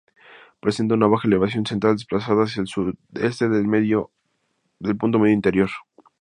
Presenta una baja elevación central, desplazada hacia el sudeste del punto medio interior.